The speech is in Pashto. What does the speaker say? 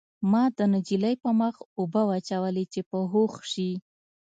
ما د نجلۍ په مخ اوبه واچولې چې په هوښ شي